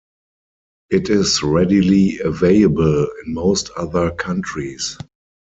It is readily available in most other countries.